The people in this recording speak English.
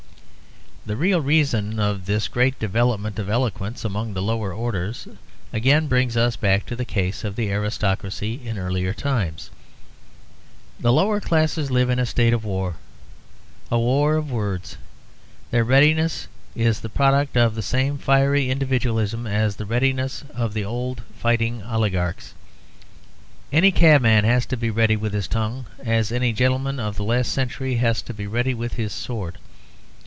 The real reason of this great development of eloquence among the lower orders again brings us back to the case of the aristocracy in earlier times. The lower classes live in a state of war, a war of words. Their readiness is the product of the same fiery individualism as the readiness of the old fighting oligarchs. Any cabman has to be ready with his tongue, as any gentleman of the last century had to be ready with his sword.